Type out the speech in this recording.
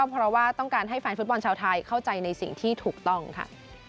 เพราะว่าต้องการให้แฟนฟุตบอลชาวไทยเข้าใจในสิ่งที่ถูกต้องค่ะ